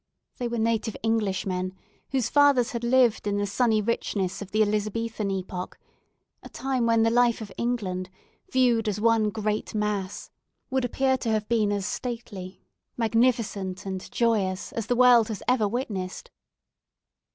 They were native Englishmen, whose fathers had lived in the sunny richness of the Elizabethan epoch; a time when the life of England, viewed as one great mass, would appear to have been as stately, magnificent, and joyous, as the world has ever witnessed.